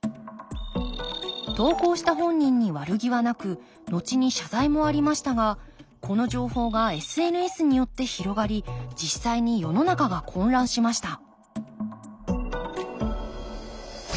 投稿した本人に悪気はなくのちに謝罪もありましたがこの情報がＳＮＳによって広がり実際に世の中が混乱しました